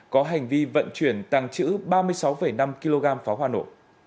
có hành vi vận chuyển tăng chữ ba mươi sáu năm kg pháo hoa nổ